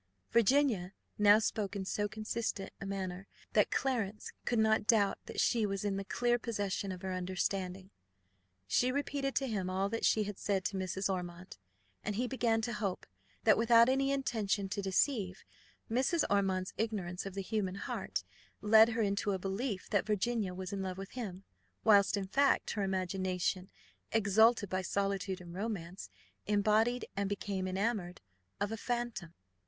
Virginia now spoke in so consistent a manner that Clarence could not doubt that she was in the clear possession of her understanding. She repeated to him all that she had said to Mrs. Ormond; and he began to hope that, without any intention to deceive, Mrs. Ormond's ignorance of the human heart led her into a belief that Virginia was in love with him; whilst, in fact, her imagination, exalted by solitude and romance, embodied and became enamoured of a phantom.